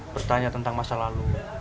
bertanya tentang masa lalu